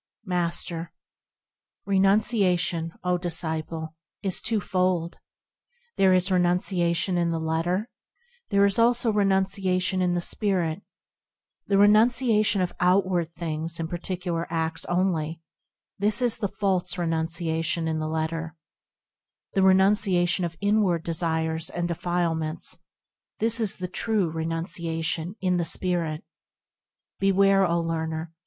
Master. Renunciation, O disciple ! is twofold; There is renunciation in the letter ; There is also renunciation in the spirit. The renunciation of outward things and particular acts only– This is the false renunciation in the letter ; The renunciation of inward desires and defilements– This is the true renunciation in the spirit. Beware, O learner